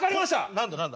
何だ何だ？